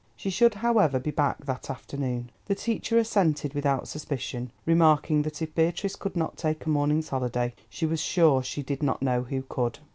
She should, however, be back that afternoon. The teacher assented without suspicion, remarking that if Beatrice could not take a morning's holiday, she was sure she did not know who could.